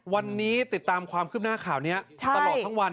วันนี้ติดตามความคืบหน้าข่าวนี้ตลอดทั้งวัน